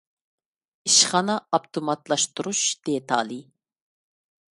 ئىشخانا ئاپتوماتلاشتۇرۇش دېتالى